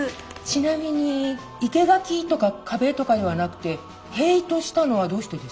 ちなみに生け垣とか壁とかではなくて塀としたのはどうしてですか？